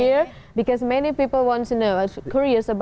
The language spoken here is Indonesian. karena banyak orang ingin tahu yang korea tentang